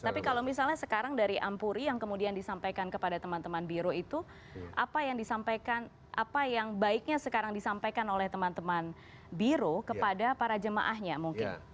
tapi kalau misalnya sekarang dari ampuri yang kemudian disampaikan kepada teman teman biro itu apa yang disampaikan apa yang baiknya sekarang disampaikan oleh teman teman biro kepada para jemaahnya mungkin